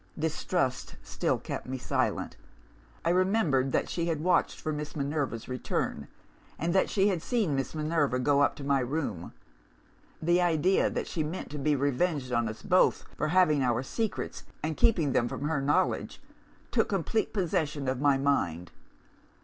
"Distrust still kept me silent. I remembered that she had watched for Miss Minerva's return, and that she had seen Miss Minerva go up to my room. The idea that she meant to be revenged on us both for having our secrets, and keeping them from her knowledge, took complete possession of my mind.